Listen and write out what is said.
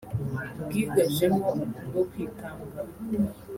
bwigajemo ubwo kwitanga